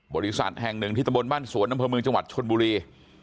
บริษัทแห่งหนึ่งที่ตะบนบ้านสวนอำเภอเมืองจังหวัดชนบุรี